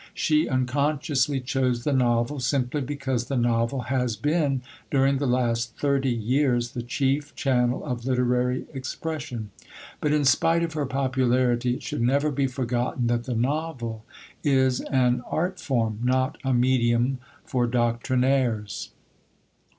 She unconsciously chose the novel simply because the novel has been, during the last thirty years, the chief channel of literary expression. But in spite of her popularity, it should never be forgotten that the novel is an art form, not a medium for doctrinaires.